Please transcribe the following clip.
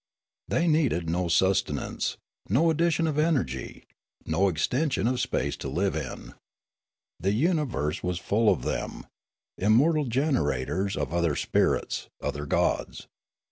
They needed no sustenance, no addition of energy, no extension of space to live in. The uni verse was full of them, immortal generators of other The Voyage to Tirralaria 125 spirits, other gods.